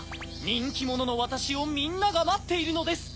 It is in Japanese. にんきもののわたしをみんながまっているのです！